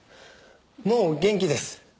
もう元気です。